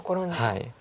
はい。